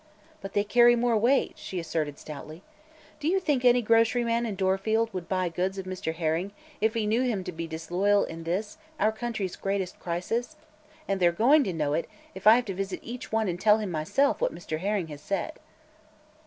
"But they carry more weight," she asserted stoutly. "Do you think any grocery man in Dorfield would buy goods of Mr. Herring if he knew him to be disloyal in this, our country's greatest crisis? And they're going to know it, if I have to visit each one and tell him myself what Mr. Herring has said."